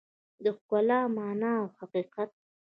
د ښکلا مانا او حقیقت